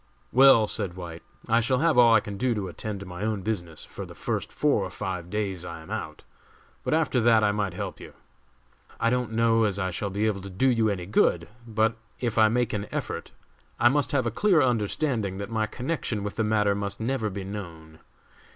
"Well," said White, "I shall have all I can do to attend to my own business for the first four or five days I am out, but after that I might help you. I don't know as I shall be able to do you any good, but if I make an effort, we must have a clear understanding that my connection with the matter must never be known.